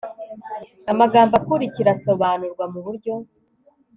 amagambo akurikira asobanurwa mu buryo